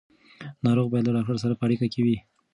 ناروغ باید له ډاکټر سره په اړیکه وي.